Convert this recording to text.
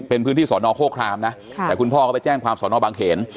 เป็นพื้นที่สอนอโฆครามนะแต่คุณพ่อก็ไปแจ้งความสอนอบางเขน